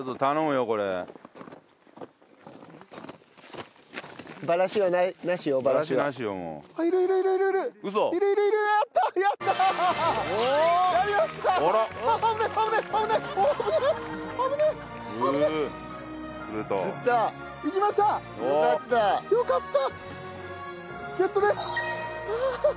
よかった！